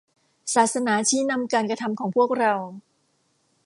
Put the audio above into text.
ศาสนาชี้นำการกระทำของพวกเรา